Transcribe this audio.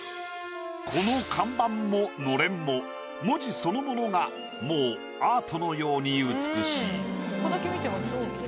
この看板ものれんも文字そのものがもうアートのように美しい。